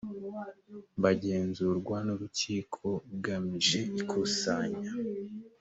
bugenzurwa n’urukiko bugamije ikusanya